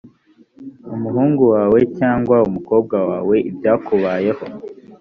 umuhungu wawe cyangwa umukobwa wawe ibyakubayeho